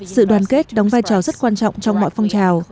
sự đoàn kết đóng vai trò rất quan trọng trong mọi phong trào